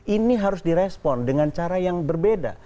ini harus direspon dengan cara yang berbeda